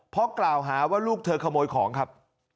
เพราะกล่าวหาว่าลูกเธอขโมยของครับ